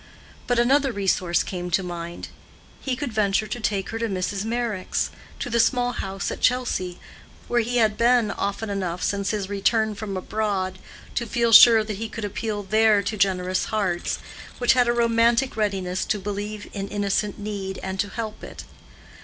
But another resource came to mind: he could venture to take her to Mrs. Meyrick's—to the small house at Chelsea—where he had been often enough since his return from abroad to feel sure that he could appeal there to generous hearts, which had a romantic readiness to believe in innocent need and to help it.